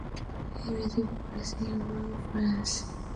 It is based in Lyon, France.